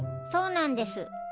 そうなんです。